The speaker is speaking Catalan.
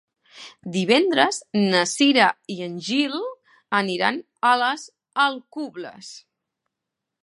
Divendres na Cira i en Gil aniran a les Alcubles.